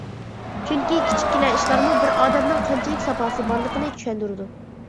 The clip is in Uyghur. چۈنكى كىچىككىنە ئىشلارمۇ بىر ئادەمنىڭ قانچىلىك ساپاسى بارلىقىنى چۈشەندۈرىدۇ.